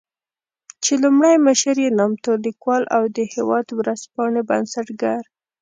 چې لومړی مشر يې نامتو ليکوال او د "هېواد" ورځپاڼې بنسټګر